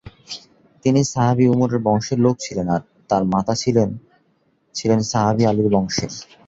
তিনি সাহাবী উমরের বংশের লোক ছিলেন আর তার মাতা ছিলেন ছিলেন সাহাবী আলীর বংশের।